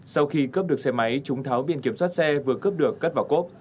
sau khi cướp được xe máy chúng tháo biển kiểm soát xe vừa cướp được cất vào cốp